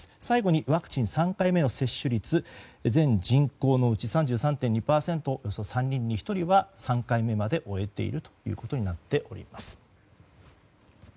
最後にワクチン３回目の接種率全人口のうち３３．２％およそ３人に１人は３回目まで終えているということになっております。